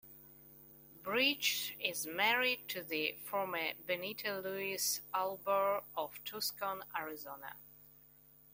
Bridges is married to the former Benita Louise Allbaugh of Tucson, Arizona.